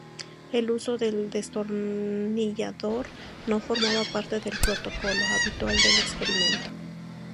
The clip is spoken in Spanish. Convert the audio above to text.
El uso del destornillador no formaba parte del protocolo habitual del experimento.